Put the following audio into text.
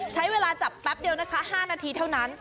ใช้เวลาจับแป๊บเดียวนะคะ๕นาทีเท่านั้น